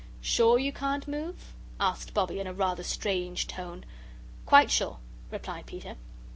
"SURE you can't move?" asked Bobbie, in a rather strange tone. "Quite sure," replied Peter.